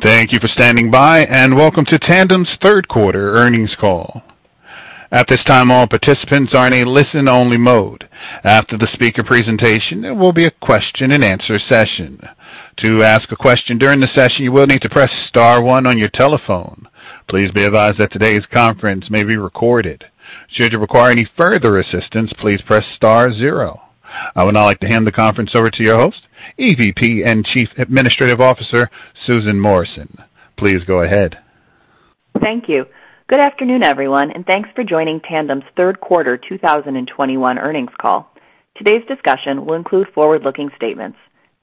Thank you for standing by, and welcome to Tandem's Third Quarter Earnings Call. At this time, all participants are in a listen-only mode. After the speaker presentation, there will be a question-and-answer session. To ask a question during the session, you will need to press star one on your telephone. Please be advised that today's conference may be recorded. Should you require any further assistance, please press star zero. I would now like to hand the conference over to your host, EVP and Chief Administrative Officer, Susan Morrison. Please go ahead. Thank you. Good afternoon, everyone, and thanks for joining Tandem's third quarter 2021 earnings call. Today's discussion will include forward-looking statements.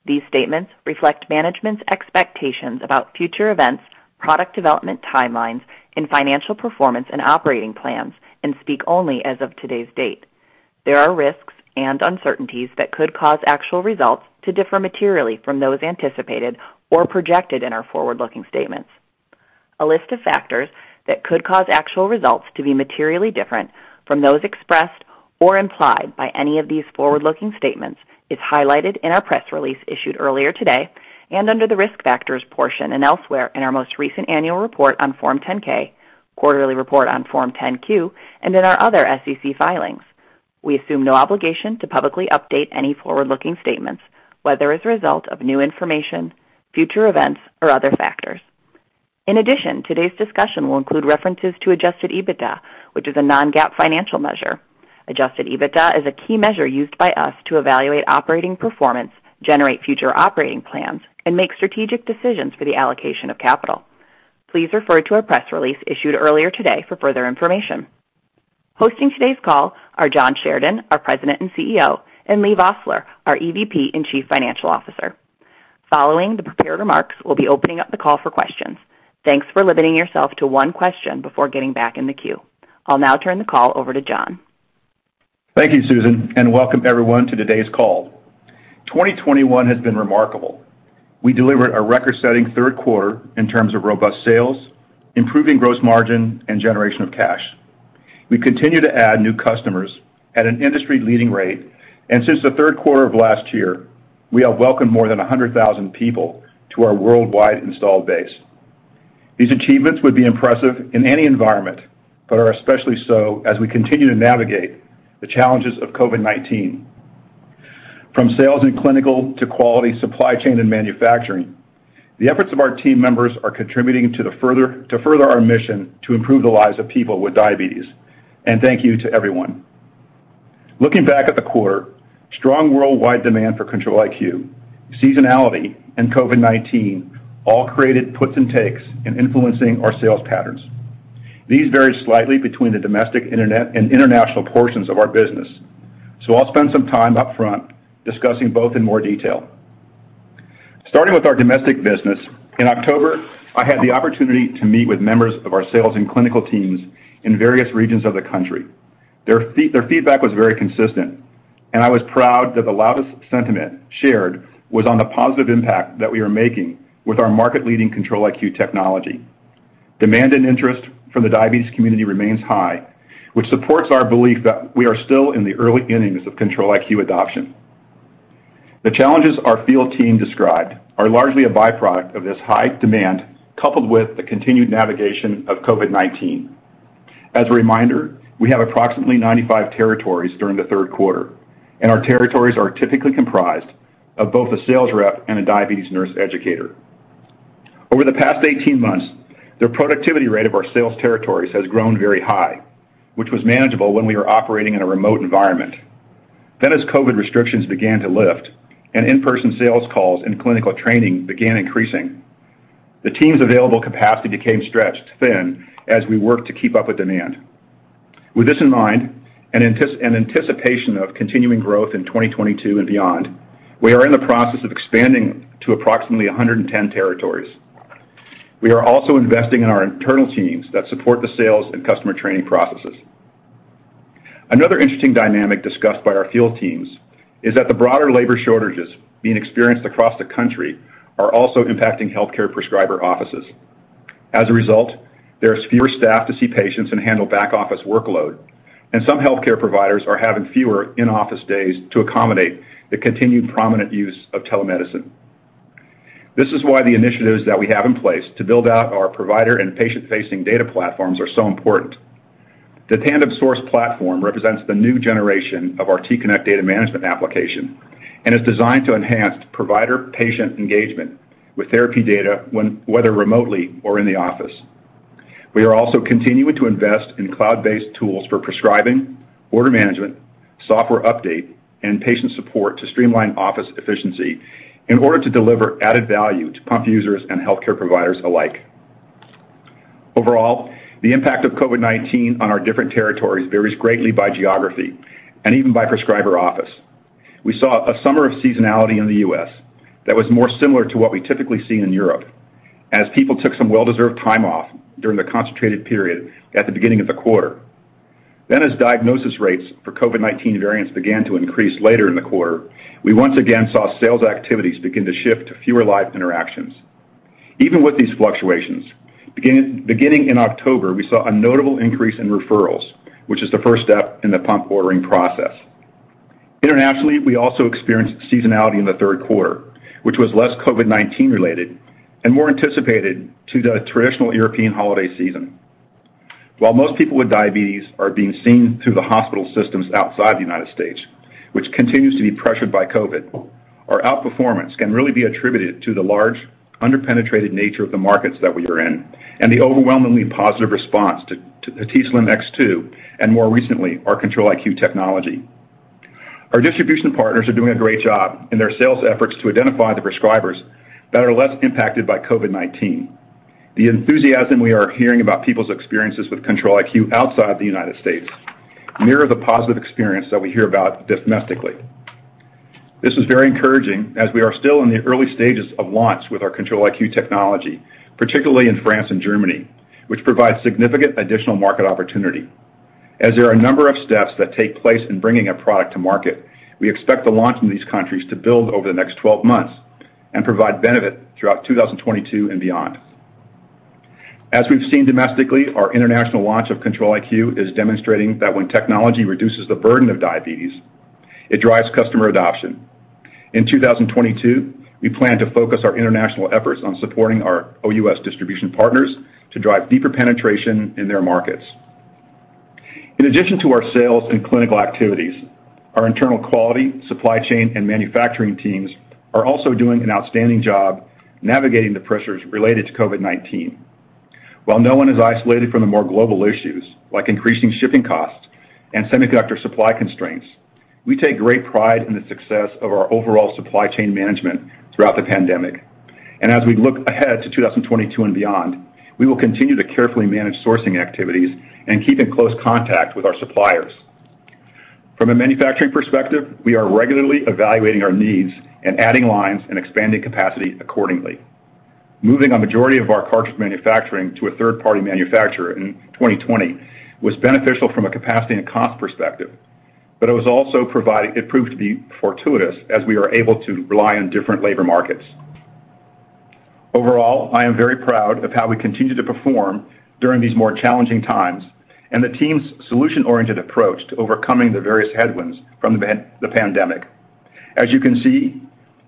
These statements reflect management's expectations about future events, product development timelines, and financial performance and operating plans and speak only as of today's date. There are risks and uncertainties that could cause actual results to differ materially from those anticipated or projected in our forward-looking statements. A list of factors that could cause actual results to be materially different from those expressed or implied by any of these forward-looking statements is highlighted in our press release issued earlier today and under the Risk Factors portion and elsewhere in our most recent annual report on Form 10-K, quarterly report on Form 10-Q, and in our other SEC filings. We assume no obligation to publicly update any forward-looking statements, whether as a result of new information, future events, or other factors. In addition, today's discussion will include references to adjusted EBITDA, which is a non-GAAP financial measure. Adjusted EBITDA is a key measure used by us to evaluate operating performance, generate future operating plans, and make strategic decisions for the allocation of capital. Please refer to our press release issued earlier today for further information. Hosting today's call are John Sheridan, our President and CEO, and Leigh Vosseller, our EVP and Chief Financial Officer. Following the prepared remarks, we'll be opening up the call for questions. Thanks for limiting yourself to one question before getting back in the queue. I'll now turn the call over to John. Thank you, Susan, and welcome everyone to today's call. 2021 has been remarkable. We delivered a record-setting third quarter in terms of robust sales, improving gross margin, and generation of cash. We continue to add new customers at an industry-leading rate, and since the third quarter of last year, we have welcomed more than 100,000 people to our worldwide installed base. These achievements would be impressive in any environment but are especially so as we continue to navigate the challenges of COVID-19. From sales and clinical to quality supply chain and manufacturing, the efforts of our team members are contributing to further our mission to improve the lives of people with diabetes. Thank you to everyone. Looking back at the quarter, strong worldwide demand for Control-IQ, seasonality, and COVID-19 all created puts and takes in influencing our sales patterns. These vary slightly between the domestic and international portions of our business, so I'll spend some time up front discussing both in more detail. Starting with our domestic business, in October, I had the opportunity to meet with members of our sales and clinical teams in various regions of the country. Their feedback was very consistent, and I was proud that the loudest sentiment shared was on the positive impact that we are making with our market-leading Control-IQ technology. Demand and interest from the diabetes community remains high, which supports our belief that we are still in the early innings of Control-IQ adoption. The challenges our field team described are largely a byproduct of this high demand, coupled with the continued navigation of COVID-19. As a reminder, we have approximately 95 territories during the third quarter, and our territories are typically comprised of both a sales rep and a diabetes nurse educator. Over the past 18 months, the productivity rate of our sales territories has grown very high, which was manageable when we were operating in a remote environment. As COVID restrictions began to lift and in-person sales calls and clinical training began increasing, the team's available capacity became stretched thin as we worked to keep up with demand. With this in mind, in anticipation of continuing growth in 2022 and beyond, we are in the process of expanding to approximately 110 territories. We are also investing in our internal teams that support the sales and customer training processes. Another interesting dynamic discussed by our field teams is that the broader labor shortages being experienced across the country are also impacting healthcare prescriber offices. As a result, there's fewer staff to see patients and handle back-office workload, and some healthcare providers are having fewer in-office days to accommodate the continued prominent use of telemedicine. This is why the initiatives that we have in place to build out our provider and patient-facing data platforms are so important. The Tandem Source Platform represents the new generation of our t:connect data management application and is designed to enhance provider-patient engagement with therapy data whether remotely or in the office. We are also continuing to invest in cloud-based tools for prescribing, order management, software update, and patient support to streamline office efficiency in order to deliver added value to pump users and healthcare providers alike. Overall, the impact of COVID-19 on our different territories varies greatly by geography and even by prescriber office. We saw a summer of seasonality in the U.S. that was more similar to what we typically see in Europe as people took some well-deserved time off during the concentrated period at the beginning of the quarter. As diagnosis rates for COVID-19 variants began to increase later in the quarter, we once again saw sales activities begin to shift to fewer live interactions. Even with these fluctuations, beginning in October, we saw a notable increase in referrals, which is the first step in the pump ordering process. Internationally, we also experienced seasonality in the third quarter, which was less COVID-19 related and more attributed to the traditional European holiday season. While most people with diabetes are being seen through the hospital systems outside the United States, which continues to be pressured by COVID, our outperformance can really be attributed to the large under-penetrated nature of the markets that we are in and the overwhelmingly positive response to the t:slim X2 and more recently, our Control-IQ technology. Our distribution partners are doing a great job in their sales efforts to identify the prescribers that are less impacted by COVID-19. The enthusiasm we are hearing about people's experiences with Control-IQ outside the United States mirror the positive experience that we hear about domestically. This is very encouraging as we are still in the early stages of launch with our Control-IQ technology, particularly in France and Germany, which provides significant additional market opportunity. As there are a number of steps that take place in bringing a product to market, we expect the launch in these countries to build over the next 12 months and provide benefit throughout 2022 and beyond. As we've seen domestically, our international launch of Control-IQ is demonstrating that when technology reduces the burden of diabetes, it drives customer adoption. In 2022, we plan to focus our international efforts on supporting our OUS distribution partners to drive deeper penetration in their markets. In addition to our sales and clinical activities, our internal quality, supply chain, and manufacturing teams are also doing an outstanding job navigating the pressures related to COVID-19. While no one is isolated from the more global issues like increasing shipping costs and semiconductor supply constraints, we take great pride in the success of our overall supply chain management throughout the pandemic. As we look ahead to 2022 and beyond, we will continue to carefully manage sourcing activities and keep in close contact with our suppliers. From a manufacturing perspective, we are regularly evaluating our needs and adding lines and expanding capacity accordingly. Moving a majority of our cartridge manufacturing to a third-party manufacturer in 2020 was beneficial from a capacity and cost perspective, but it proved to be fortuitous as we are able to rely on different labor markets. Overall, I am very proud of how we continue to perform during these more challenging times and the team's solution-oriented approach to overcoming the various headwinds from the pandemic. As you can see,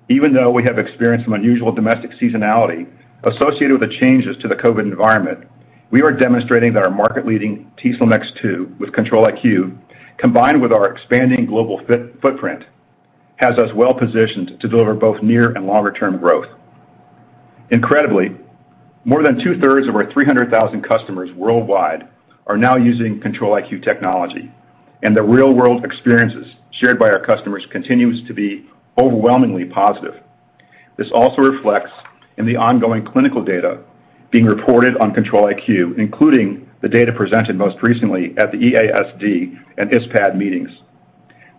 even though we have experienced some unusual domestic seasonality associated with the changes to the COVID environment, we are demonstrating that our market-leading t:slim X2 with Control-IQ, combined with our expanding global footprint, has us well-positioned to deliver both near and longer-term growth. Incredibly, more than two-thirds of our 300,000 customers worldwide are now using Control-IQ technology, and the real-world experiences shared by our customers continues to be overwhelmingly positive. This also reflects in the ongoing clinical data being reported on Control-IQ, including the data presented most recently at the EASD and ISPAD meetings.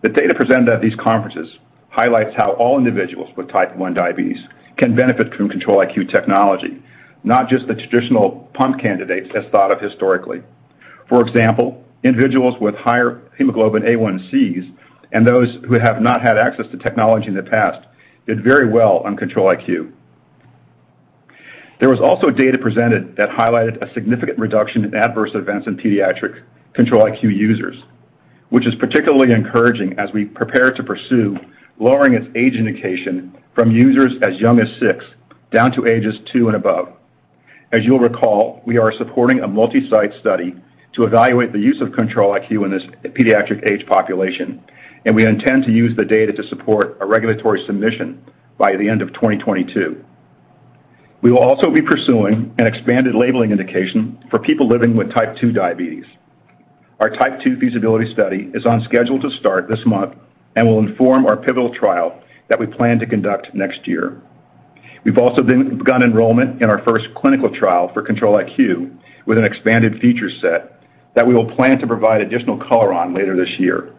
The data presented at these conferences highlights how all individuals with Type 1 diabetes can benefit from Control-IQ technology, not just the traditional pump candidates as thought of historically. For example, individuals with higher hemoglobin A1c and those who have not had access to technology in the past did very well on Control-IQ. There was also data presented that highlighted a significant reduction in adverse events in pediatric Control-IQ users, which is particularly encouraging as we prepare to pursue lowering its age indication from users as young as six down to ages two and above. As you'll recall, we are supporting a multi-site study to evaluate the use of Control-IQ in this pediatric age population, and we intend to use the data to support a regulatory submission by the end of 2022. We will also be pursuing an expanded labeling indication for people living with Type 2 diabetes. Our Type 2 feasibility study is on schedule to start this month and will inform our pivotal trial that we plan to conduct next year. We've also begun enrollment in our first clinical trial for Control IQ with an expanded feature set that we will plan to provide additional color on later this year.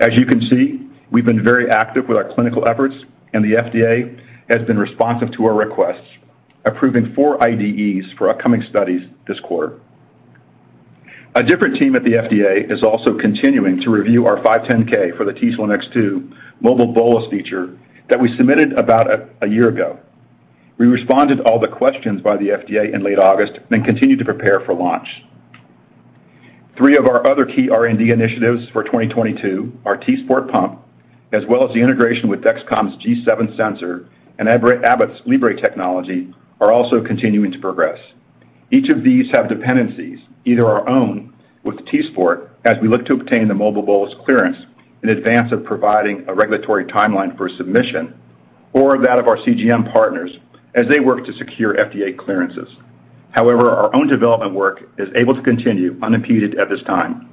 As you can see, we've been very active with our clinical efforts, and the FDA has been responsive to our requests, approving four IDEs for upcoming studies this quarter. A different team at the FDA is also continuing to review our 510(k) for the t:slim X2 mobile bolus feature that we submitted about a year ago. We responded to all the questions by the FDA in late August, then continued to prepare for launch. Three of our other key R&D initiatives for 2022, our t:sport pump, as well as the integration with Dexcom's G7 sensor and Abbott's Libre technology are also continuing to progress. Each of these have dependencies, either our own with t:sport as we look to obtain the mobile bolus clearance in advance of providing a regulatory timeline for submission or that of our CGM partners as they work to secure FDA clearances. However, our own development work is able to continue unimpeded at this time.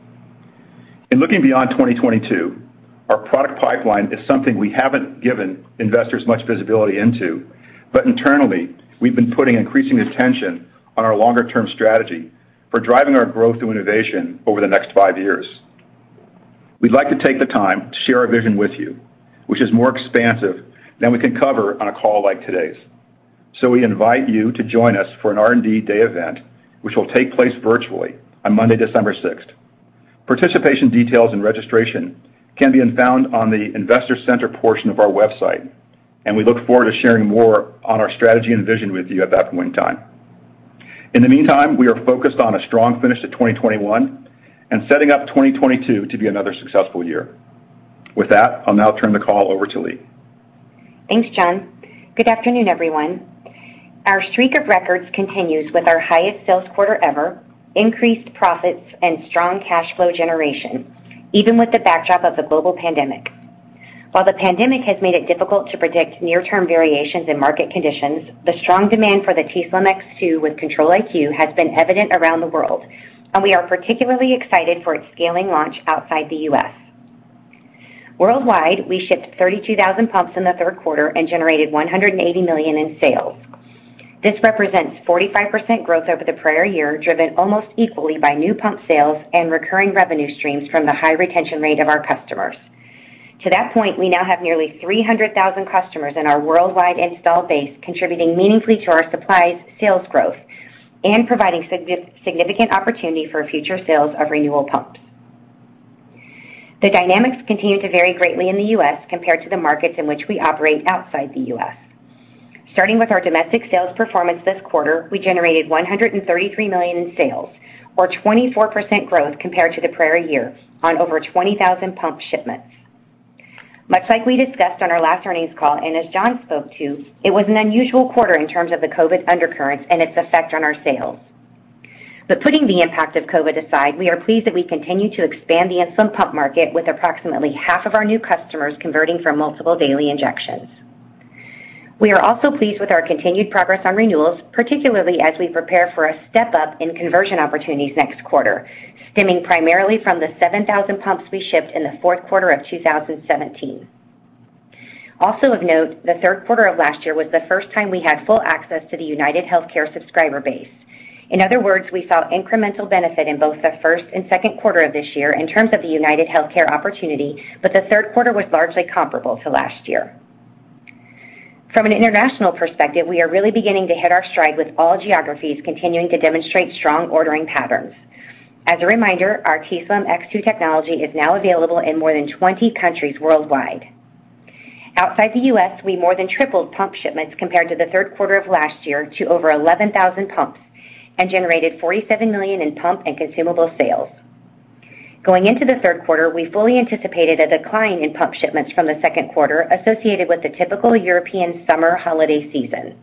In looking beyond 2022, our product pipeline is something we haven't given investors much visibility into, but internally, we've been putting increasing attention on our longer-term strategy for driving our growth through innovation over the next five years. We'd like to take the time to share our vision with you, which is more expansive than we can cover on a call like today's. We invite you to join us for an R&D day event, which will take place virtually on Monday, December sixth. Participation details and registration can be found on the investor center portion of our website, and we look forward to sharing more on our strategy and vision with you at that point in time. In the meantime, we are focused on a strong finish to 2021 and setting up 2022 to be another successful year. With that, I'll now turn the call over to Leigh. Thanks, John. Good afternoon, everyone. Our streak of records continues with our highest sales quarter ever, increased profits and strong cash flow generation, even with the backdrop of the global pandemic. While the pandemic has made it difficult to predict near-term variations in market conditions, the strong demand for the t:slim X2 with Control-IQ has been evident around the world, and we are particularly excited for its scaling launch outside the U.S. Worldwide, we shipped 32,000 pumps in the third quarter and generated $180 million in sales. This represents 45% growth over the prior year, driven almost equally by new pump sales and recurring revenue streams from the high retention rate of our customers. To that point, we now have nearly 300,000 customers in our worldwide installed base, contributing meaningfully to our supplies sales growth and providing significant opportunity for future sales of renewal pumps. The dynamics continue to vary greatly in the U.S. compared to the markets in which we operate outside the U.S. Starting with our domestic sales performance this quarter, we generated $133 million in sales, or 24% growth compared to the prior year, on over 20,000 pump shipments. Much like we discussed on our last earnings call, and as John spoke to, it was an unusual quarter in terms of the COVID undercurrent and its effect on our sales. Putting the impact of COVID aside, we are pleased that we continue to expand the insulin pump market with approximately half of our new customers converting from multiple daily injections. We are also pleased with our continued progress on renewals, particularly as we prepare for a step-up in conversion opportunities next quarter, stemming primarily from the 7,000 pumps we shipped in the fourth quarter of 2017. Also of note, the third quarter of last year was the first time we had full access to the UnitedHealthcare subscriber base. In other words, we saw incremental benefit in both the first and second quarter of this year in terms of the UnitedHealthcare opportunity, but the third quarter was largely comparable to last year. From an international perspective, we are really beginning to hit our stride with all geographies continuing to demonstrate strong ordering patterns. As a reminder, our t:slim X2 technology is now available in more than 20 countries worldwide. Outside the U.S., we more than tripled pump shipments compared to the third quarter of last year to over 11,000 pumps and generated $47 million in pump and consumable sales. Going into the third quarter, we fully anticipated a decline in pump shipments from the second quarter associated with the typical European summer holiday season.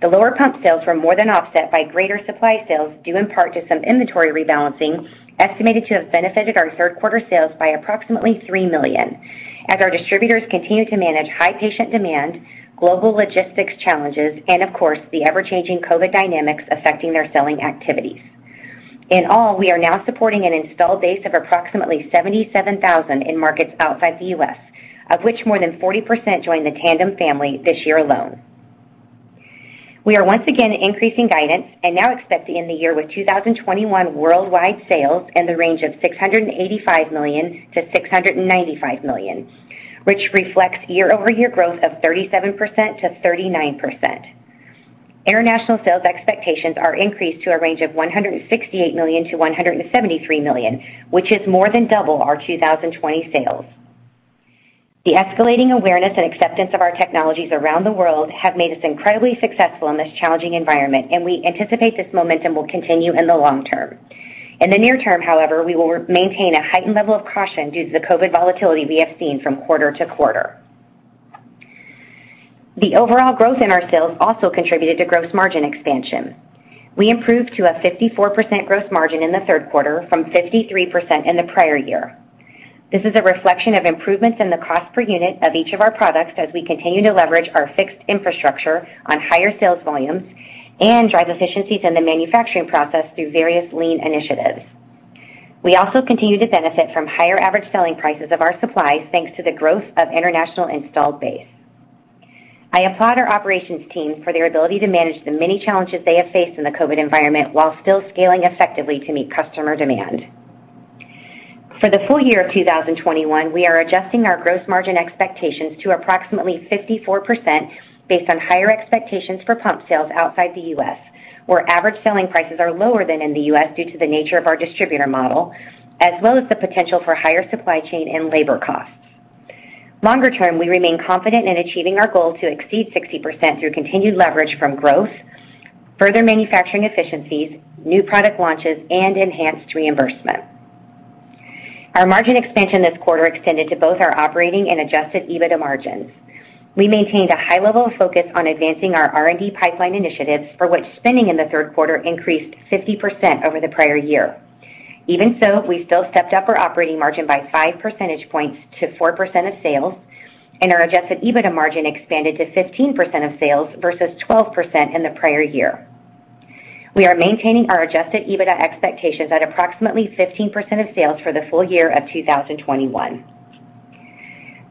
The lower pump sales were more than offset by greater supplies sales, due in part to some inventory rebalancing, estimated to have benefited our third quarter sales by approximately $3 million as our distributors continue to manage high patient demand, global logistics challenges, and of course, the ever-changing COVID dynamics affecting their selling activities. In all, we are now supporting an installed base of approximately 77,000 in markets outside the U.S., of which more than 40% joined the Tandem family this year alone. We are once again increasing guidance and now expect to end the year with 2021 worldwide sales in the range of $685 million-$695 million, which reflects year-over-year growth of 37%-39%. International sales expectations are increased to a range of $168 million-$173 million, which is more than double our 2020 sales. The escalating awareness and acceptance of our technologies around the world have made us incredibly successful in this challenging environment, and we anticipate this momentum will continue in the long term. In the near term, however, we will maintain a heightened level of caution due to the COVID volatility we have seen from quarter to quarter. The overall growth in our sales also contributed to gross margin expansion. We improved to a 54% gross margin in the third quarter from 53% in the prior year. This is a reflection of improvements in the cost per unit of each of our products as we continue to leverage our fixed infrastructure on higher sales volumes and drive efficiencies in the manufacturing process through various lean initiatives. We also continue to benefit from higher average selling prices of our supplies, thanks to the growth of international installed base. I applaud our operations team for their ability to manage the many challenges they have faced in the COVID environment while still scaling effectively to meet customer demand. For the full year of 2021, we are adjusting our gross margin expectations to approximately 54% based on higher expectations for pump sales outside the U.S., where average selling prices are lower than in the U.S. due to the nature of our distributor model, as well as the potential for higher supply chain and labor costs. Longer term, we remain confident in achieving our goal to exceed 60% through continued leverage from growth, further manufacturing efficiencies, new product launches, and enhanced reimbursement. Our margin expansion this quarter extended to both our operating and adjusted EBITDA margins. We maintained a high level of focus on advancing our R&D pipeline initiatives, for which spending in the third quarter increased 50% over the prior year. Even so, we still stepped up our operating margin by 5 percentage points to 4% of sales, and our adjusted EBITDA margin expanded to 15% of sales versus 12% in the prior year. We are maintaining our adjusted EBITDA expectations at approximately 15% of sales for the full year of 2021.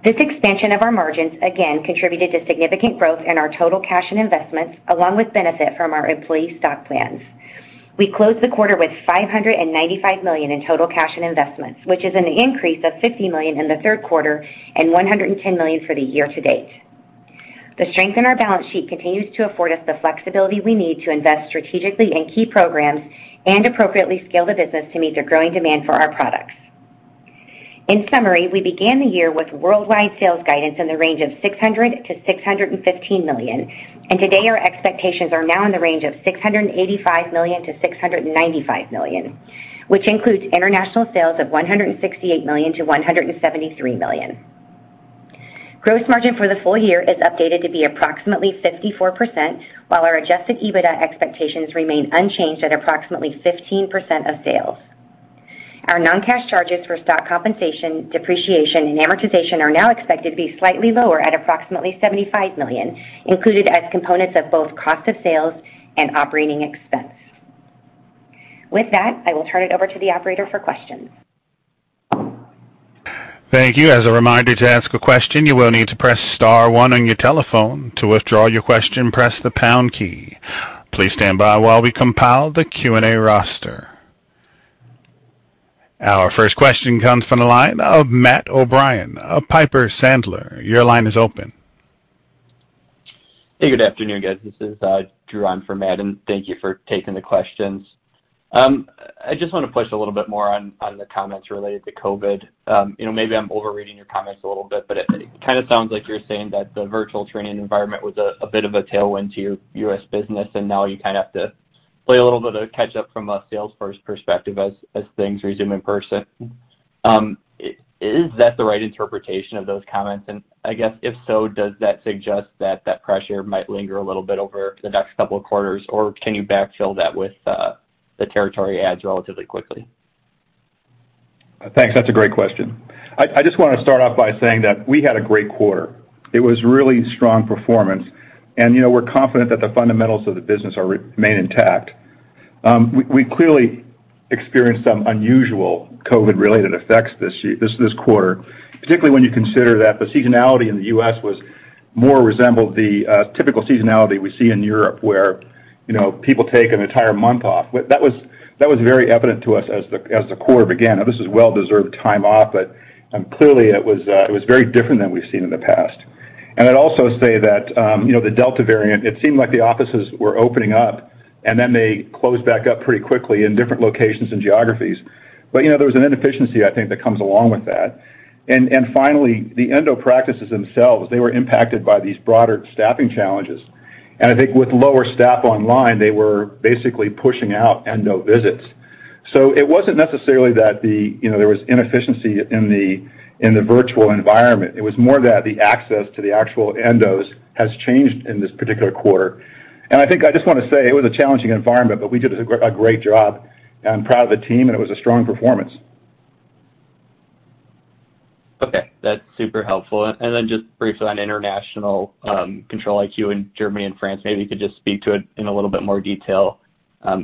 This expansion of our margins, again, contributed to significant growth in our total cash and investments, along with benefit from our employee stock plans. We closed the quarter with $595 million in total cash and investments, which is an increase of $50 million in the third quarter and $110 million for the year to date. The strength in our balance sheet continues to afford us the flexibility we need to invest strategically in key programs and appropriately scale the business to meet the growing demand for our products. In summary, we began the year with worldwide sales guidance in the range of $600 million-$615 million, and today our expectations are now in the range of $685 million-$695 million, which includes international sales of $168 million-$173 million. Gross margin for the full year is updated to be approximately 54%, while our adjusted EBITDA expectations remain unchanged at approximately 15% of sales. Our non-cash charges for stock compensation, depreciation and amortization are now expected to be slightly lower at approximately $75 million, included as components of both cost of sales and operating expense. With that, I will turn it over to the operator for questions. Thank you. As a reminder, to ask a question, you will need to press star one on your telephone. To withdraw your question, press the pound key. Please stand by while we compile the Q&A roster. Our first question comes from the line of Matt O'Brien of Piper Sandler. Your line is open. Hey, good afternoon, guys. This is Drew on for Matt, and thank you for taking the questions. I just want to push a little bit more on the comments related to COVID. You know, maybe I'm overreading your comments a little bit, but it kind of sounds like you're saying that the virtual training environment was a bit of a tailwind to your U.S. business, and now you kind of have to play a little bit of catch-up from a sales perspective as things resume in person. Is that the right interpretation of those comments? And I guess, if so, does that suggest that that pressure might linger a little bit over the next couple of quarters, or can you backfill that with the territory adds relatively quickly? Thanks. That's a great question. I just wanna start off by saying that we had a great quarter. It was really strong performance, and, you know, we're confident that the fundamentals of the business are remain intact. We clearly experienced some unusual COVID-related effects this quarter, particularly when you consider that the seasonality in the U.S. was more resembled the typical seasonality we see in Europe, where, you know, people take an entire month off. That was very evident to us as the quarter began. Now this is well-deserved time off, but clearly it was very different than we've seen in the past. I'd also say that, you know, the Delta variant, it seemed like the offices were opening up, and then they closed back up pretty quickly in different locations and geographies. You know, there was an inefficiency, I think, that comes along with that. Finally, the endo practices themselves, they were impacted by these broader staffing challenges. I think with lower staff online, they were basically pushing out endo visits. It wasn't necessarily that the, you know, there was inefficiency in the virtual environment. It was more that the access to the actual endos has changed in this particular quarter. I think I just want to say it was a challenging environment, but we did a great job. I'm proud of the team, and it was a strong performance. Okay, that's super helpful. Just briefly on international, Control-IQ in Germany and France, maybe you could just speak to it in a little bit more detail.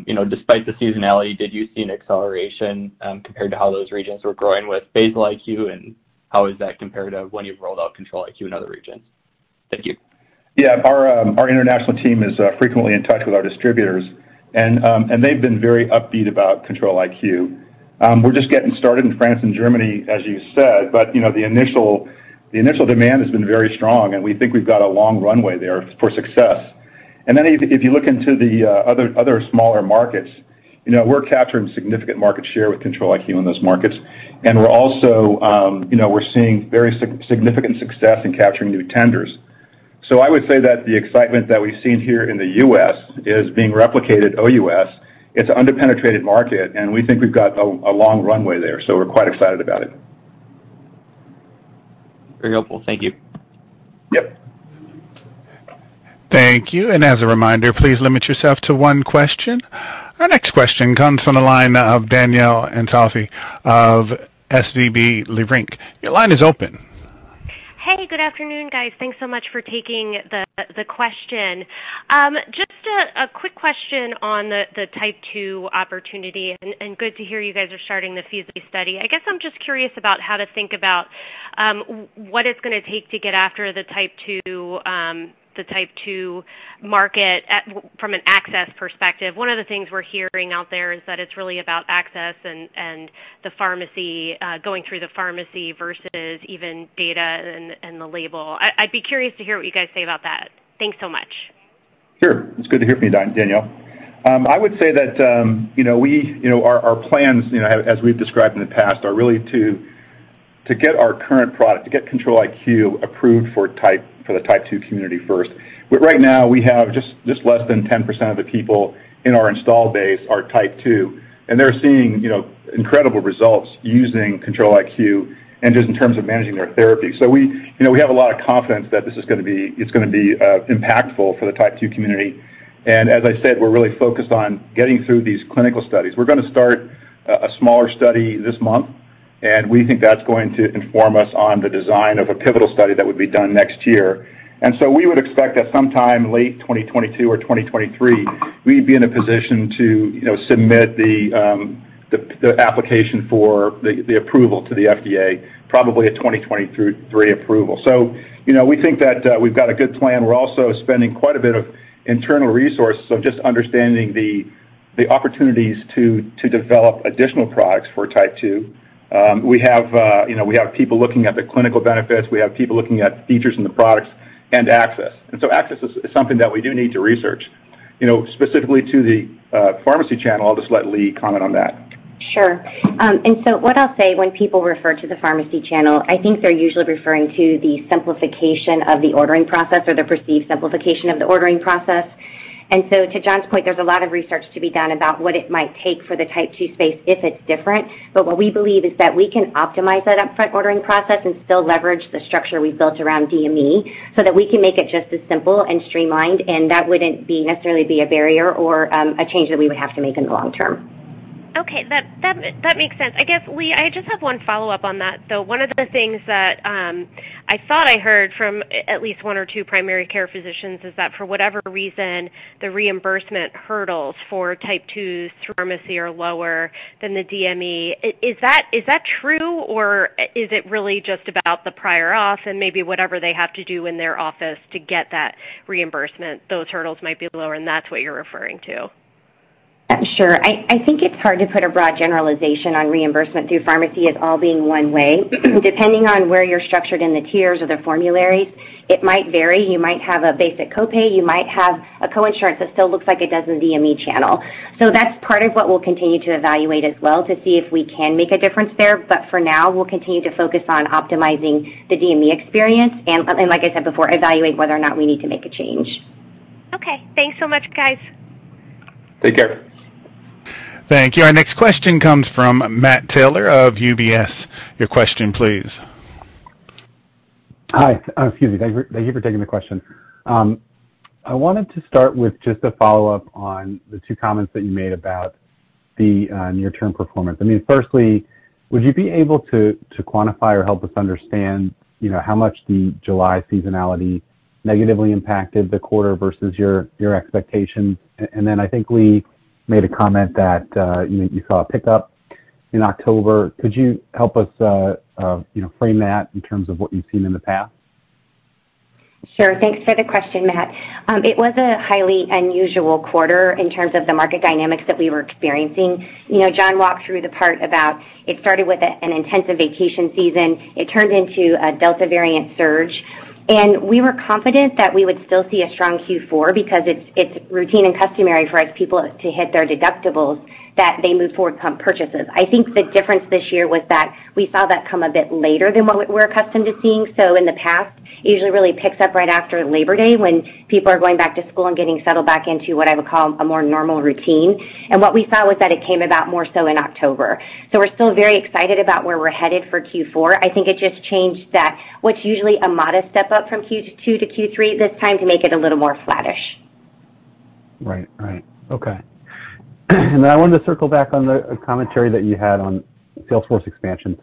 You know, despite the seasonality, did you see an acceleration, compared to how those regions were growing with Basal-IQ, and how is that comparative when you've rolled out Control-IQ in other regions? Thank you. Yeah. Our international team is frequently in touch with our distributors, and they've been very upbeat about Control-IQ. We're just getting started in France and Germany, as you said, but, you know, the initial demand has been very strong, and we think we've got a long runway there for success. Then if you look into the other smaller markets, you know, we're capturing significant market share with Control-IQ in those markets. We're also, you know, we're seeing very significant success in capturing new tenders. I would say that the excitement that we've seen here in the U.S. is being replicated OUS. It's an under-penetrated market, and we think we've got a long runway there, so we're quite excited about it. Very helpful. Thank you. Yep. Thank you. As a reminder, please limit yourself to one question. Our next question comes from the line of Danielle Antalffy of SVB Leerink. Your line is open. Hey, good afternoon, guys. Thanks so much for taking the question. Just a quick question on the Type 2 opportunity, and good to hear you guys are starting the feasibility study. I guess I'm just curious about how to think about what it's gonna take to get after the Type 2 market from an access perspective. One of the things we're hearing out there is that it's really about access and the pharmacy, going through the pharmacy versus even data and the label. I'd be curious to hear what you guys say about that. Thanks so much. Sure. It's good to hear from you, Danielle. I would say that, you know, our plans, you know, as we've described in the past, are really to get our current product to get Control-IQ approved for the Type 2 community first. Right now, we have just less than 10% of the people in our installed base are Type 2, and they're seeing, you know, incredible results using Control-IQ and just in terms of managing their therapy. We, you know, have a lot of confidence that this is gonna be impactful for the Type 2 community. As I said, we're really focused on getting through these clinical studies. We're gonna start a smaller study this month, and we think that's going to inform us on the design of a pivotal study that would be done next year. We would expect that sometime late 2022 or 2023, we'd be in a position to, you know, submit the application for the approval to the FDA, probably a 2023 approval. You know, we think that we've got a good plan. We're also spending quite a bit of internal resources of just understanding the opportunities to develop additional products for Type 2. We have, you know, we have people looking at the clinical benefits. We have people looking at features in the products and access. Access is something that we do need to research. You know, specifically to the pharmacy channel, I'll just let Lee comment on that. Sure. What I'll say when people refer to the pharmacy channel, I think they're usually referring to the simplification of the ordering process or the perceived simplification of the ordering process. To John's point, there's a lot of research to be done about what it might take for the Type 2 space if it's different. What we believe is that we can optimize that upfront ordering process and still leverage the structure we've built around DME so that we can make it just as simple and streamlined, and that wouldn't be necessarily a barrier or a change that we would have to make in the long term. Okay. That makes sense. I guess, Leigh, I just have one follow-up on that, though. One of the things that I thought I heard from at least one or two primary care physicians is that for whatever reason, the reimbursement hurdles for Type 2 through pharmacy are lower than the DME. Is that true, or is it really just about the prior auth and maybe whatever they have to do in their office to get that reimbursement, those hurdles might be lower, and that's what you're referring to? Sure. I think it's hard to put a broad generalization on reimbursement through pharmacy as all being one way. Depending on where you're structured in the tiers or the formularies, it might vary. You might have a basic copay, you might have a co-insurance that still looks like it does in the DME channel. That's part of what we'll continue to evaluate as well to see if we can make a difference there. For now, we'll continue to focus on optimizing the DME experience and, like I said before, evaluate whether or not we need to make a change. Okay. Thanks so much, guys. Take care. Thank you. Our next question comes from Matt Taylor of UBS. Your question, please. Hi. Excuse me. Thank you, thank you for taking the question. I wanted to start with just a follow-up on the two comments that you made about the near-term performance. I mean, firstly, would you be able to quantify or help us understand, you know, how much the July seasonality negatively impacted the quarter versus your expectations? I think Leigh made a comment that, you know, you saw a pickup in October. Could you help us, you know, frame that in terms of what you've seen in the past? Sure. Thanks for the question, Matt. It was a highly unusual quarter in terms of the market dynamics that we were experiencing. You know, John walked through the part about it started with an intensive vacation season. It turned into a Delta variant surge, and we were confident that we would still see a strong Q4 because it's routine and customary for us people to hit their deductibles, that they move forward on purchases. I think the difference this year was that we saw that come a bit later than what we're accustomed to seeing. In the past, it usually really picks up right after Labor Day when people are going back to school and getting settled back into what I would call a more normal routine. What we saw was that it came about more so in October. We're still very excited about where we're headed for Q4. I think it just changed that what's usually a modest step up from Q2 to Q3 this time to make it a little more flattish. Right. Okay. I wanted to circle back on the commentary that you had on sales force expansion.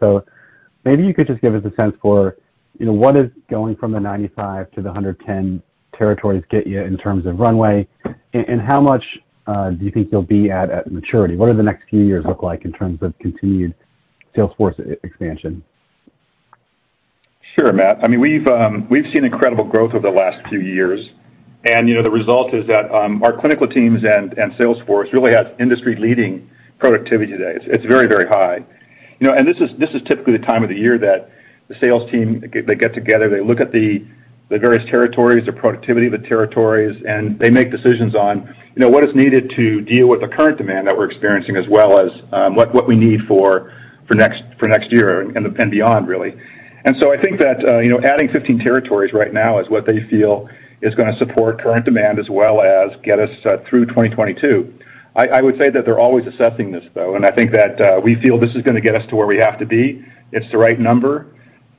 Maybe you could just give us a sense for, you know, what is going from the 95 to the 110 territories get you in terms of runway? And how much do you think you'll be at maturity? What do the next few years look like in terms of continued sales force expansion? Sure, Matt. I mean, we've seen incredible growth over the last few years. You know, the result is that our clinical teams and sales force really has industry-leading productivity today. It's very high. You know, this is typically the time of the year that the sales team, they get together, they look at the various territories, the productivity of the territories, and they make decisions on, you know, what is needed to deal with the current demand that we're experiencing, as well as what we need for next year and beyond, really. I think that, you know, adding 15 territories right now is what they feel is gonna support current demand as well as get us through 2022. I would say that they're always assessing this, though, and I think that we feel this is gonna get us to where we have to be. It's the right number.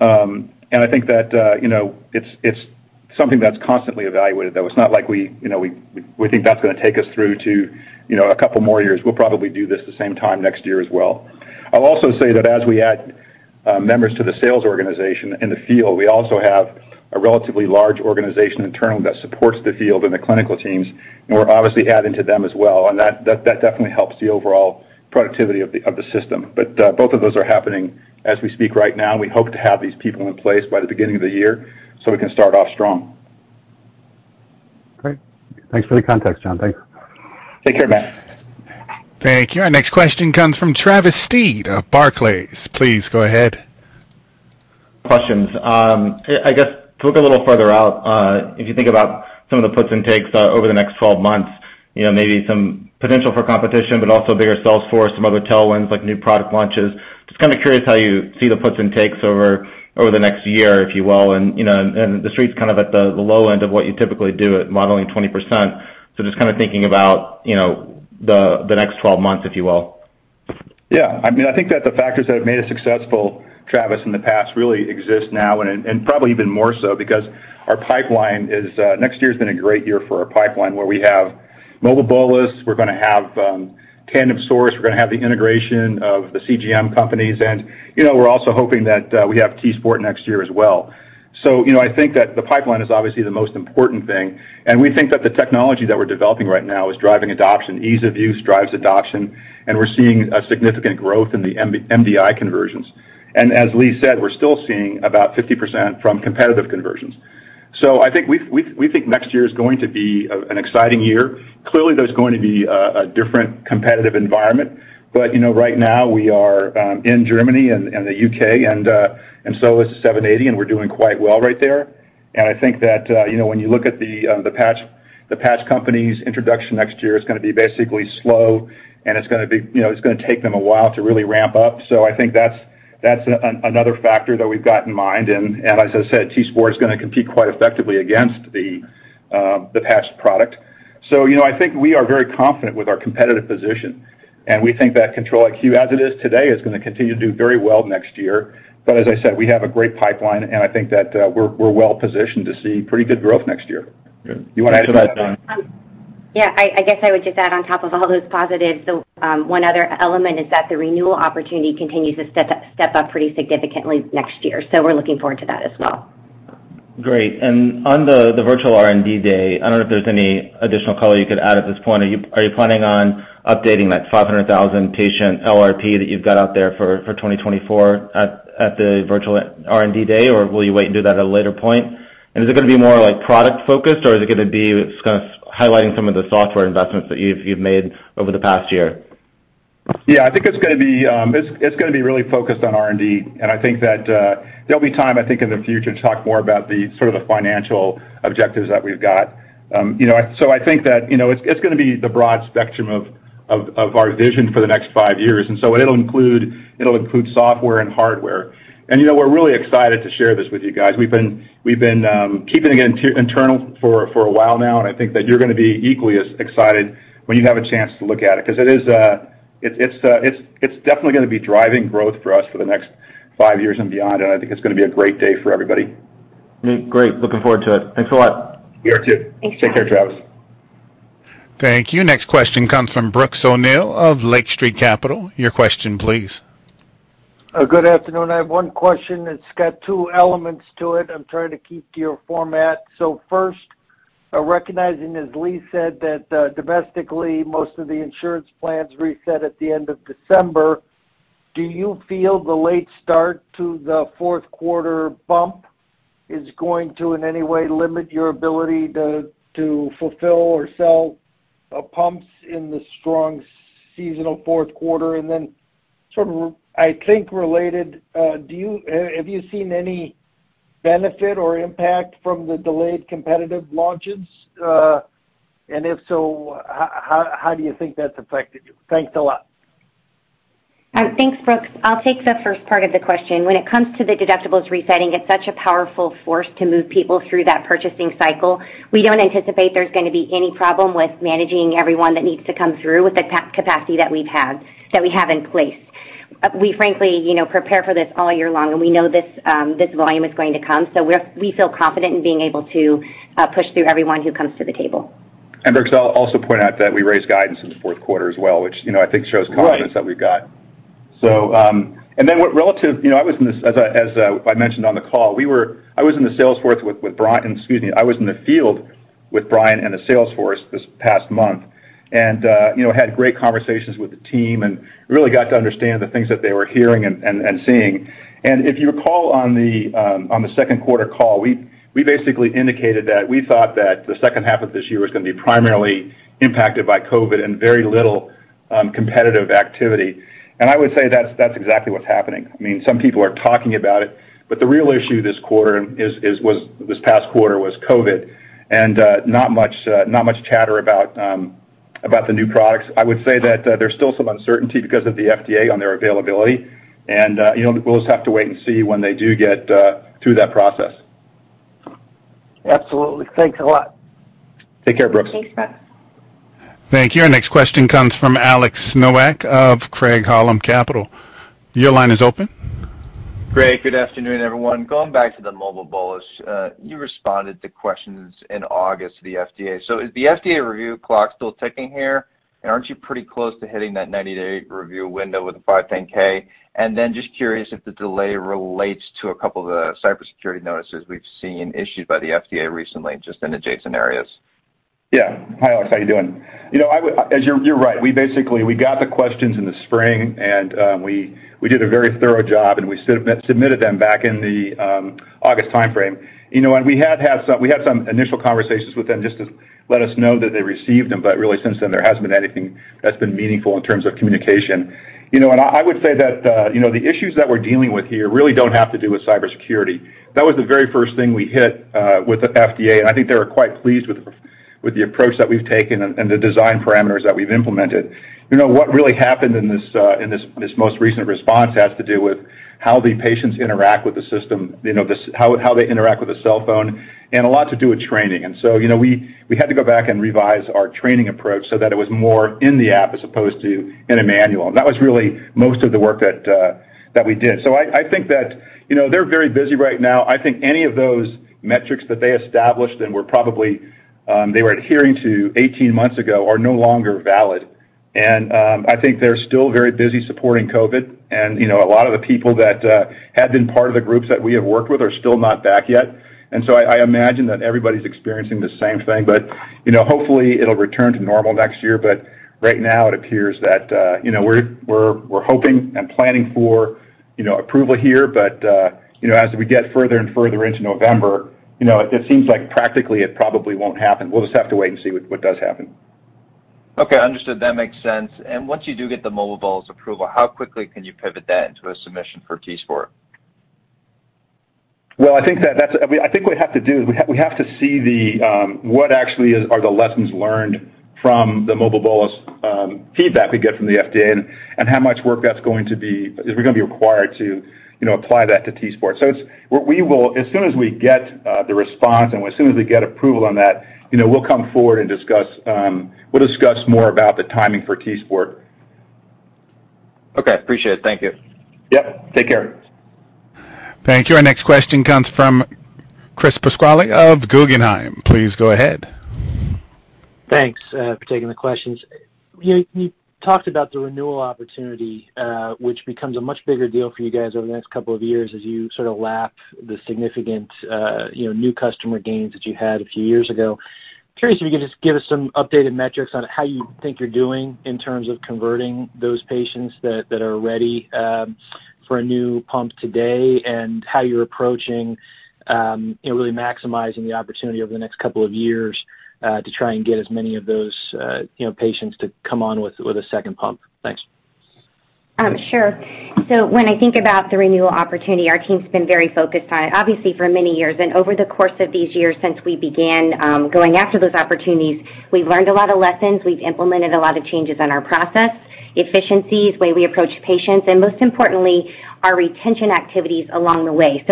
I think that you know, it's something that's constantly evaluated, though. It's not like we, you know, think that's gonna take us through to, you know, a couple more years. We'll probably do this the same time next year as well. I'll also say that as we add members to the sales organization in the field, we also have a relatively large organization internally that supports the field and the clinical teams, and we're obviously adding to them as well. That definitely helps the overall productivity of the system. But both of those are happening as we speak right now. We hope to have these people in place by the beginning of the year so we can start off strong. Great. Thanks for the context, John. Thanks. Take care, Matt. Thank you. Our next question comes from Travis Steed of Barclays. Please go ahead. I guess to look a little further out, if you think about some of the puts and takes over the next 12 months, you know, maybe some potential for competition, but also bigger sales force, some other tailwinds, like new product launches. Just kind of curious how you see the puts and takes over the next year, if you will. You know, the Street's kind of at the low end of what you typically do at modeling 20%. Just kind of thinking about, you know, the next 12 months, if you will. Yeah. I mean, I think that the factors that have made us successful, Travis, in the past really exist now and probably even more so because our pipeline is next year has been a great year for our pipeline, where we have mobile bolus, we're gonna have Tandem Source, we're gonna have the integration of the CGM companies. You know, we're also hoping that we have t:sport next year as well. You know, I think that the pipeline is obviously the most important thing, and we think that the technology that we're developing right now is driving adoption. Ease of use drives adoption, and we're seeing a significant growth in the MDI conversions. As Lee said, we're still seeing about 50% from competitive conversions. I think we think next year is going to be an exciting year. Clearly, there's going to be a different competitive environment. You know, right now we are in Germany and the U.K. and so is the seven eighty, and we're doing quite well right there. I think that, you know, when you look at the patch company's introduction next year, it's gonna be basically slow, and it's gonna be you know, it's gonna take them a while to really ramp up. I think that's another factor that we've got in mind. As I said, t:sport is gonna compete quite effectively against the patch product. You know, I think we are very confident with our competitive position, and we think that Control-IQ, as it is today, is gonna continue to do very well next year. As I said, we have a great pipeline, and I think that we're well positioned to see pretty good growth next year. You wanna add to that, Leigh? Yeah. I guess I would just add on top of all those positives, one other element is that the renewal opportunity continues to step up pretty significantly next year, so we're looking forward to that as well. Great. On the virtual R&D Day, I don't know if there's any additional color you could add at this point. Are you planning on updating that 500,000 patient LRP that you've got out there for 2024 at the virtual R&D Day, or will you wait and do that at a later point? Is it gonna be more like product-focused, or is it gonna be kind of highlighting some of the software investments that you've made over the past year? Yeah. I think it's gonna be really focused on R&D. I think that there'll be time, I think, in the future to talk more about the sort of financial objectives that we've got. You know, I think that, you know, it's gonna be the broad spectrum of our vision for the next five years. It'll include software and hardware. You know, we're really excited to share this with you guys. We've been keeping it internal for a while now, and I think that you're gonna be equally as excited when you have a chance to look at it. 'Cause it is, it's definitely gonna be driving growth for us for the next five years and beyond, and I think it's gonna be a great day for everybody. Great. Looking forward to it. Thanks a lot. You too. Thanks, Travis. Take care, Travis. Thank you. Next question comes from Brooks O'Neil of Lake Street Capital. Your question please. Good afternoon. I have one question. It's got two elements to it. I'm trying to keep to your format. First, recognizing, as Lee said, that domestically, most of the insurance plans reset at the end of December, do you feel the late start to the fourth quarter bump is going to in any way limit your ability to fulfill or sell pumps in the strong seasonal fourth quarter? And then sort of, I think, related, have you seen any benefit or impact from the delayed competitive launches? And if so, how do you think that's affected you? Thanks a lot. Thanks, Brooks. I'll take the first part of the question. When it comes to the deductibles resetting, it's such a powerful force to move people through that purchasing cycle. We don't anticipate there's gonna be any problem with managing everyone that needs to come through with the capacity that we have in place. We frankly, you know, prepare for this all year long, and we know this volume is going to come. We feel confident in being able to push through everyone who comes to the table. Brooks, I'll also point out that we raised guidance in the fourth quarter as well, which, you know, I think shows confidence. Right that we've got. You know, I was in this, as I mentioned on the call, I was in the field with Brian and the sales force this past month and, you know, had great conversations with the team and really got to understand the things that they were hearing and seeing. If you recall on the second quarter call, we basically indicated that we thought that the second half of this year was gonna be primarily impacted by COVID and very little competitive activity. I would say that's exactly what's happening. I mean, some people are talking about it, but the real issue this quarter this past quarter was COVID and not much chatter about the new products. I would say that there's still some uncertainty because of the FDA on their availability. You know, we'll just have to wait and see when they do get through that process. Absolutely. Thanks a lot. Take care, Brooks. Thanks, Brooks. Thank you. Our next question comes from Alex Nowak of Craig-Hallum Capital Group. Your line is open. Great. Good afternoon, everyone. Going back to the mobile bolus, you responded to questions in August to the FDA. Is the FDA review clock still ticking here, and aren't you pretty close to hitting that 90-day review window with a 510(k)? Just curious if the delay relates to a couple of the cybersecurity notices we've seen issued by the FDA recently, just in adjacent areas. Yeah. Hi, Alex, how you doing? You know, as you're right. We basically got the questions in the spring, and we did a very thorough job, and we submitted them back in the August timeframe. You know, we had some initial conversations with them just to let us know that they received them. But really, since then, there hasn't been anything that's been meaningful in terms of communication. You know, I would say that you know, the issues that we're dealing with here really don't have to do with cybersecurity. That was the very first thing we hit with the FDA. I think they were quite pleased with the approach that we've taken and the design parameters that we've implemented. You know, what really happened in this most recent response has to do with how the patients interact with the system, you know, how they interact with the cell phone and a lot to do with training. That was really most of the work that we did. I think that, you know, they're very busy right now. I think any of those metrics that they established and were probably adhering to 18 months ago are no longer valid. I think they're still very busy supporting COVID. You know, a lot of the people that had been part of the groups that we have worked with are still not back yet. I imagine that everybody's experiencing the same thing, but you know, hopefully it'll return to normal next year. Right now it appears that you know, we're hoping and planning for you know, approval here. You know, as we get further and further into November, you know, it seems like practically it probably won't happen. We'll just have to wait and see what does happen. Okay, understood. That makes sense. Once you do get the mobile bolus approval, how quickly can you pivot that into a submission for t:sport? Well, I mean, I think what we have to do is we have to see what the lessons are from the mobile bolus feedback we get from the FDA and how much work that's going to be, is it gonna be required to, you know, apply that to t:sport. What we will do is as soon as we get the response, and as soon as we get approval on that, you know, we'll come forward and discuss. We'll discuss more about the timing for t:sport. Okay, appreciate it. Thank you. Yep. Take care. Thank you. Our next question comes from Chris Pasquale of Guggenheim. Please go ahead. Thanks for taking the questions. You talked about the renewal opportunity, which becomes a much bigger deal for you guys over the next couple of years as you sort of lap the significant, you know, new customer gains that you had a few years ago. Curious if you could just give us some updated metrics on how you think you're doing in terms of converting those patients that are ready for a new pump today and how you're approaching, you know, really maximizing the opportunity over the next couple of years to try and get as many of those, you know, patients to come on with a second pump. Thanks. Sure. When I think about the renewal opportunity, our team's been very focused on it, obviously, for many years. Over the course of these years since we began going after those opportunities, we've learned a lot of lessons. We've implemented a lot of changes in our process, efficiencies, way we approach patients, and most importantly, our retention activities along the way.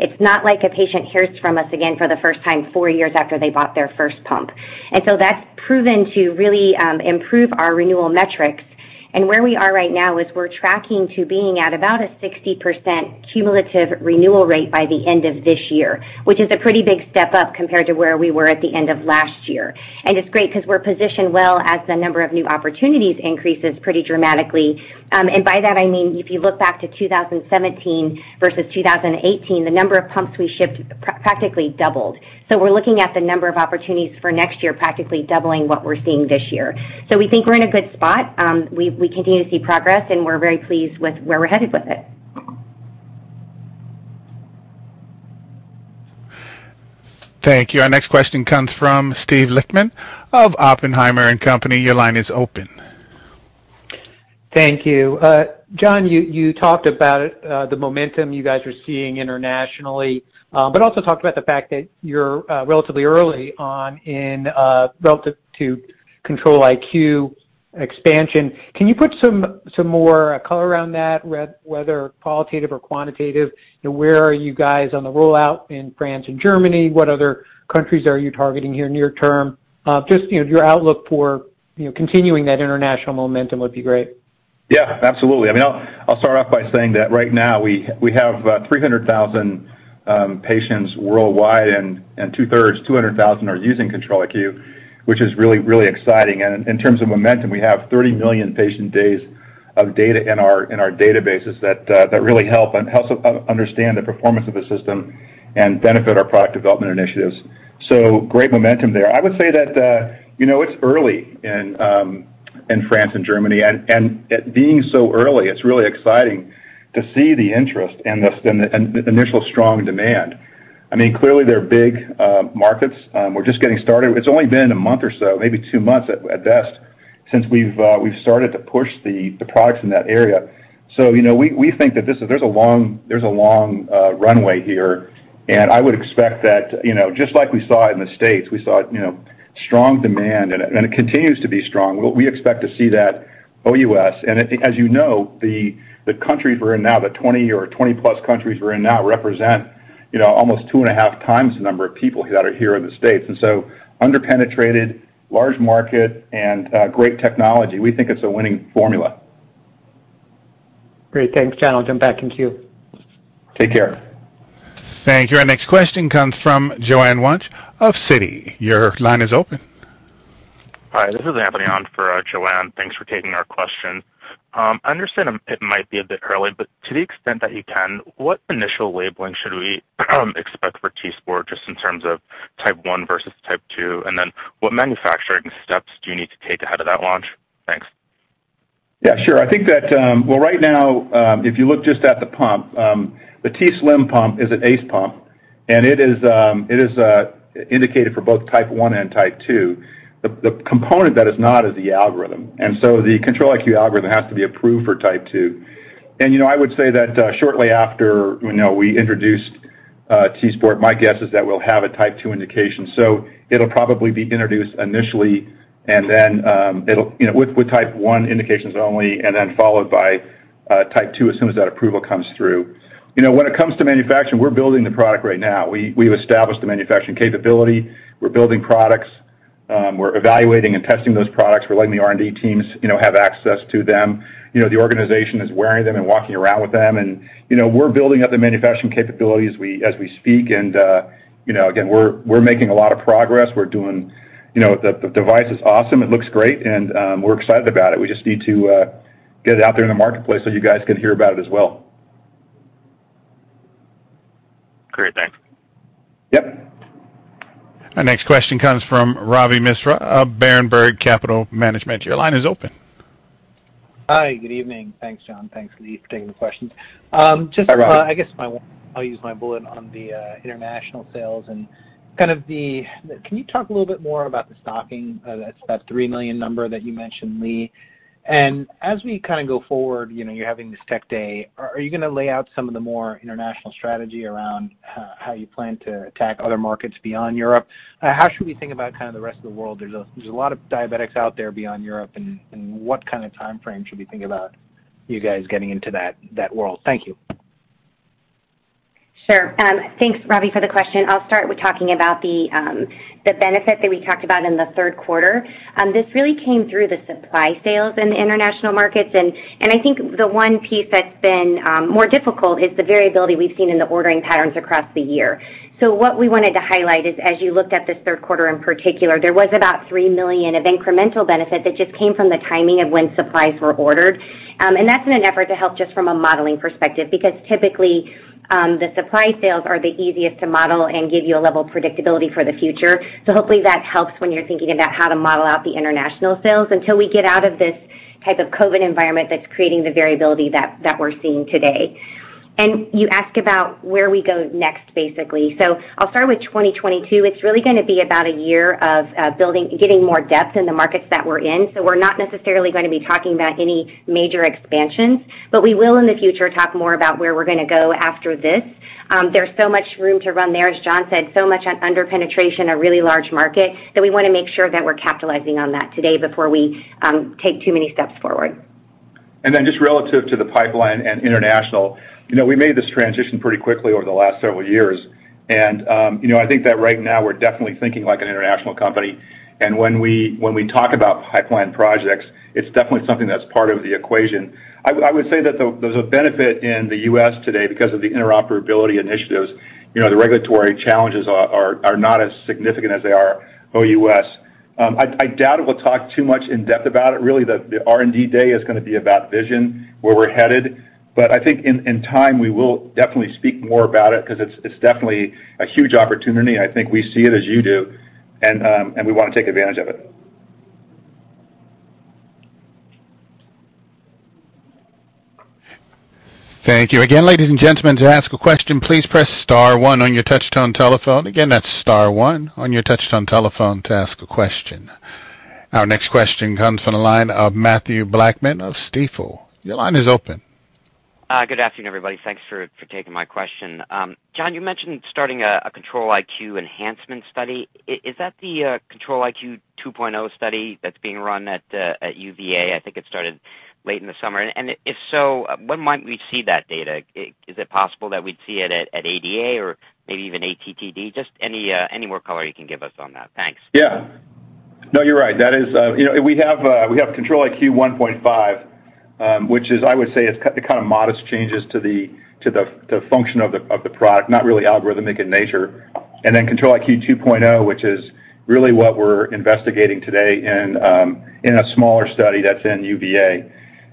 It's not like a patient hears from us again for the first time four years after they bought their first pump. That's proven to really improve our renewal metrics. Where we are right now is we're tracking to being at about a 60% cumulative renewal rate by the end of this year, which is a pretty big step up compared to where we were at the end of last year. It's great 'cause we're positioned well as the number of new opportunities increases pretty dramatically. By that I mean, if you look back to 2017 versus 2018, the number of pumps we shipped practically doubled. We're looking at the number of opportunities for next year practically doubling what we're seeing this year. We think we're in a good spot. We continue to see progress, and we're very pleased with where we're headed with it. Thank you. Our next question comes from Steve Lichtman of Oppenheimer & Co. Your line is open. Thank you. John, you talked about the momentum you guys are seeing internationally, but also talked about the fact that you're relatively early on in relative to Control-IQ expansion. Can you put some more color around that, whether qualitative or quantitative? You know, where are you guys on the rollout in France and Germany? What other countries are you targeting here near term? Just, you know, your outlook for continuing that international momentum would be great. Yeah, absolutely. I mean, I'll start off by saying that right now we have 300,000 patients worldwide, and two-thirds, 200,000 are using Control-IQ, which is really exciting. In terms of momentum, we have 30 million patient days of data in our databases that really help us understand the performance of the system and benefit our product development initiatives. Great momentum there. I would say that you know, it's early in France and Germany. It being so early, it's really exciting to see the interest and the initial strong demand. I mean, clearly, they're big markets. We're just getting started. It's only been a month or so, maybe two months at best, since we've started to push the products in that area. You know, we think that there's a long runway here. I would expect that, you know, just like we saw in the States, you know, strong demand, and it continues to be strong. We expect to see that OUS. As you know, the countries we're in now, the 20 or 20-plus countries we're in now represent, you know, almost 2.5 times the number of people that are here in the States, under-penetrated, large market, and great technology. We think it's a winning formula. Great. Thanks, John. I'll jump back in queue. Take care. Thank you. Our next question comes from Joanne Wuensch of Citi. Your line is open. Hi, this is Anthony on for Joanne. Thanks for taking our question. I understand it might be a bit early, but to the extent that you can, what initial labeling should we expect for t:sport just in terms of Type 1 versus Type 2? What manufacturing steps do you need to take ahead of that launch? Thanks. Yeah, sure. I think that, well, right now, if you look just at the pump, the t:slim pump is an ACE pump, and it is indicated for both Type 1 and Type 2. The component that is not is the algorithm. The Control-IQ algorithm has to be approved for Type 2. You know, I would say that, shortly after, you know, we introduce t:sport, my guess is that we'll have a Type 2 indication. It'll probably be introduced initially and then, you know, with Type 1 indications only and then followed by Type 2 as soon as that approval comes through. You know, when it comes to manufacturing, we're building the product right now. We've established the manufacturing capability. We're building products. We're evaluating and testing those products. We're letting the R&D teams, you know, have access to them. You know, the organization is wearing them and walking around with them. You know, we're building up the manufacturing capabilities as we speak. You know, again, we're making a lot of progress. You know, the device is awesome. It looks great, and we're excited about it. We just need to get it out there in the marketplace, so you guys can hear about it as well. Great. Thanks. Yep. Our next question comes from Ravi Misra of Berenberg Capital Markets. Your line is open. Hi, good evening. Thanks, John. Thanks, Lee, for taking the questions. Hi, Ravi. I'll use my bullet on the international sales. Can you talk a little bit more about the stocking, that's that 3 million number that you mentioned, Leigh? As we kind of go forward, you know, you're having this tech day. Are you gonna lay out some of the more international strategy around how you plan to attack other markets beyond Europe? How should we think about kind of the rest of the world? There's a lot of diabetics out there beyond Europe, and what kind of timeframe should we think about you guys getting into that world? Thank you. Sure. Thanks, Ravi, for the question. I'll start with talking about the benefit that we talked about in the third quarter. This really came through the supply sales in the international markets. I think the one piece that's been more difficult is the variability we've seen in the ordering patterns across the year. What we wanted to highlight is, as you looked at this third quarter, in particular, there was about $3 million of incremental benefit that just came from the timing of when supplies were ordered. That's in an effort to help just from a modeling perspective, because typically, the supply sales are the easiest to model and give you a level of predictability for the future. Hopefully that helps when you're thinking about how to model out the international sales until we get out of this type of COVID environment that's creating the variability that we're seeing today. You ask about where we go next, basically. I'll start with 2022. It's really gonna be about a year of building getting more depth in the markets that we're in. We're not necessarily gonna be talking about any major expansions, but we will, in the future, talk more about where we're gonna go after this. There's so much room to run there, as John said, so much under penetration, a really large market, that we wanna make sure that we're capitalizing on that today before we take too many steps forward. Then just relative to the pipeline and international. You know, we made this transition pretty quickly over the last several years. You know, I think that right now we're definitely thinking like an international company. When we talk about pipeline projects, it's definitely something that's part of the equation. I would say that there's a benefit in the U.S. today because of the interoperability initiatives. You know, the regulatory challenges are not as significant as they are OUS. I doubt we'll talk too much in depth about it. Really, the R&D day is gonna be about vision, where we're headed. I think in time, we will definitely speak more about it because it's definitely a huge opportunity. I think we see it as you do, and we wanna take advantage of it. Thank you again, ladies and gentlemen. To ask a question, please press star one on your touch-tone telephone. Again, that's star one on your touch-tone telephone to ask a question. Our next question comes from the line of Matthew Blackman of Stifel. Your line is open. Good afternoon, everybody. Thanks for taking my question. John, you mentioned starting a Control-IQ enhancement study. Is that the Control-IQ 2.0 study that's being run at UVA? I think it started late in the summer. If so, when might we see that data? Is it possible that we'd see it at ADA or maybe even ATTD? Just any more color you can give us on that. Thanks. Yeah. No, you're right. That is, you know, we have Control-IQ 1.5, which is, I would say, kind of modest changes to the function of the product, not really algorithmic in nature. Control-IQ 2.0, which is really what we're investigating today in a smaller study that's in UVA.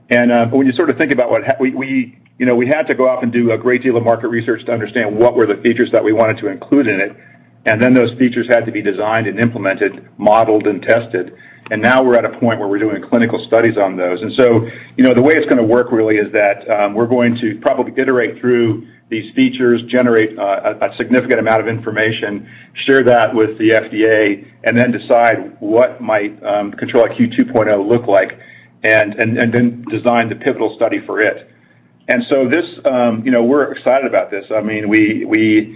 When you sort of think about what we, you know, we had to go out and do a great deal of market research to understand what were the features that we wanted to include in it. Those features had to be designed and implemented, modeled, and tested. Now we're at a point where we're doing clinical studies on those. You know, the way it's gonna work really is that we're going to probably iterate through these features, generate a significant amount of information, share that with the FDA, and then decide what might Control-IQ 2.0 look like, and then design the pivotal study for it. You know, we're excited about this. I mean, we're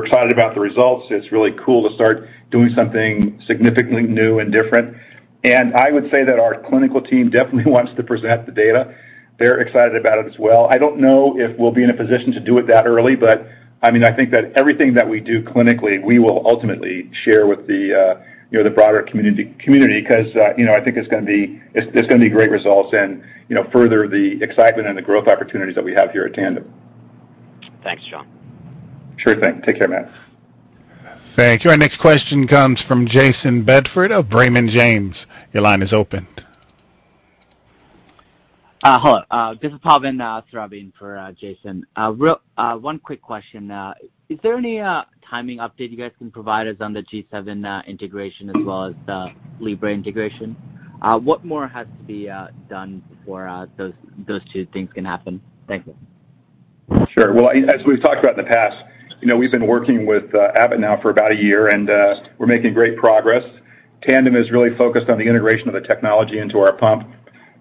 excited about the results. It's really cool to start doing something significantly new and different. I would say that our clinical team definitely wants to present the data. They're excited about it as well. I don't know if we'll be in a position to do it that early, but I mean, I think that everything that we do clinically, we will ultimately share with the, you know, the broader community 'cause, you know, I think there's gonna be great results and, you know, further the excitement and the growth opportunities that we have here at Tandem. Thanks, John. Sure thing. Take care, Matt. Thank you. Our next question comes from Jason Bedford of Raymond James. Your line is open. Hello. This is Pavan Surabhi for Jason. One quick question. Is there any timing update you guys can provide us on the G7 integration as well as the Libre integration? What more has to be done before those two things can happen? Thank you. Sure. Well, as we've talked about in the past, you know, we've been working with Abbott now for about a year, and we're making great progress. Tandem is really focused on the integration of the technology into our pump.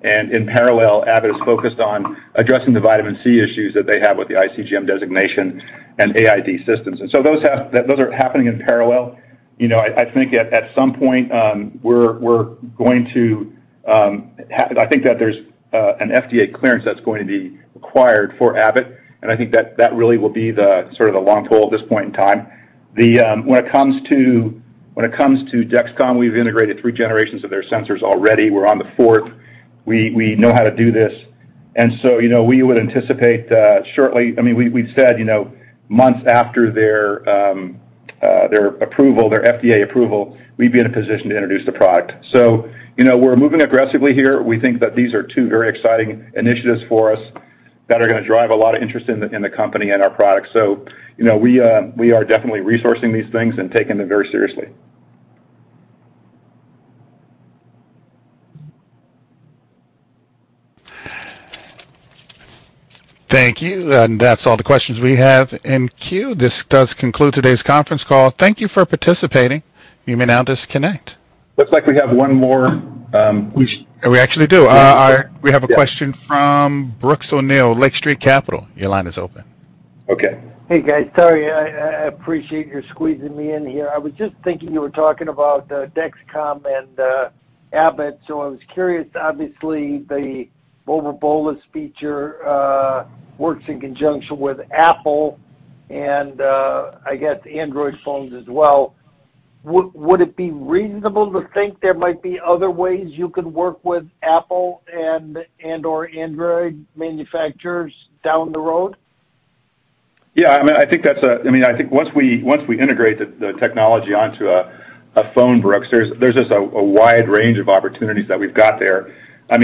In parallel, Abbott is focused on addressing the vitamin C issues that they have with the ICGM designation and AID systems. Those are happening in parallel. You know, I think at some point we're going to. I think that there's an FDA clearance that's going to be required for Abbott, and I think that really will be the sort of the long pole at this point in time. When it comes to Dexcom, we've integrated three generations of their sensors already. We're on the fourth. We know how to do this. You know, we would anticipate shortly. I mean, we've said, you know, months after their approval, their FDA approval, we'd be in a position to introduce the product. You know, we're moving aggressively here. We think that these are two very exciting initiatives for us that are gonna drive a lot of interest in the company and our products. You know, we are definitely resourcing these things and taking them very seriously. Thank you. That's all the questions we have in queue. This does conclude today's conference call. Thank you for participating. You may now disconnect. Looks like we have one more. We actually do. We have a question from Brooks O'Neil, Lake Street Capital. Your line is open. Okay. Hey, guys. Sorry. I appreciate your squeezing me in here. I was just thinking you were talking about Dexcom and Abbott. So, I was curious, obviously, the over bolus feature works in conjunction with Apple, and I guess Android phones as well. Would it be reasonable to think there might be other ways you could work with Apple and/or Android manufacturers down the road? Yeah, I mean, I think that's. I mean, I think once we integrate the technology onto a phone, Brooks, there's just a wide range of opportunities that we've got there. I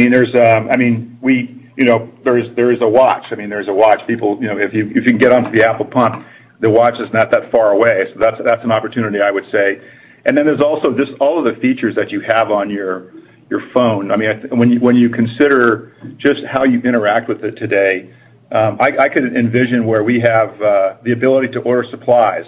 mean, we, you know, there is a watch. I mean, there's a watch. People, you know, if you can get onto the Apple Pump, the watch is not that far away. That's an opportunity, I would say. There's also just all of the features that you have on your phone. I mean, when you consider just how you interact with it today, I could envision where we have the ability to order supplies,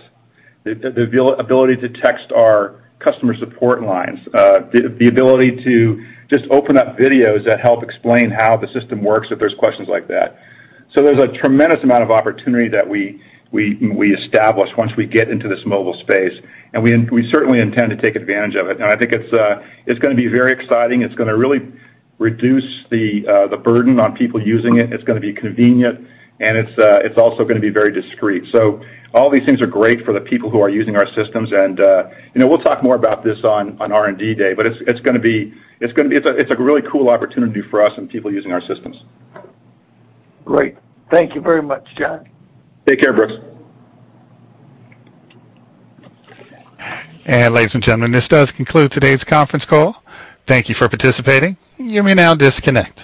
the ability to text our customer support lines, the ability to just open up videos that help explain how the system works if there's questions like that. There's a tremendous amount of opportunity that we establish once we get into this mobile space, and we certainly intend to take advantage of it. I think it's gonna be very exciting. It's gonna really reduce the burden on people using it. It's gonna be convenient, and it's also gonna be very discreet. All these things are great for the people who are using our systems. You know, we'll talk more about this on R&D Day, but it's gonna be a really cool opportunity for us and people using our systems. Great. Thank you very much, John. Take care, Brooks. Ladies and gentlemen, this does conclude today's conference call. Thank you for participating. You may now disconnect.